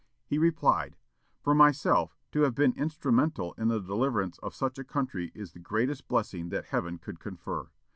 He replied, "For myself, to have been instrumental in the deliverance of such a country is the greatest blessing that Heaven could confer.